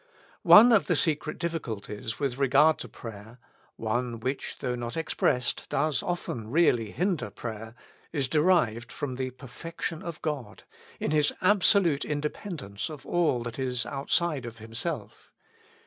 One of the secret difficulties with regard to prayer, — one which, though not expressed, does often really hinder prayer, — is derived from the perfection of God, in His absolute independence of all that is out side of Himself.